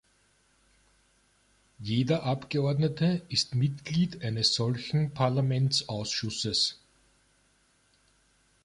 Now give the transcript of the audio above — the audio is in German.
Jeder Abgeordnete ist Mitglied eines solchen Parlamentsausschusses.